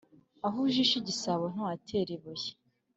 Aho ujishe igisabo ntuhatera ibuye.